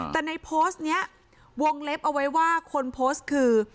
แต่ในโพสต์นี้วงเล็บเอาไว้ว่าคนโพสต์คือ